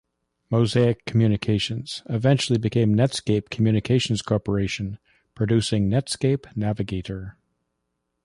Mosaic Communications eventually became Netscape Communications Corporation, producing Netscape Navigator.